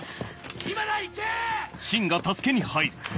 今だ行け！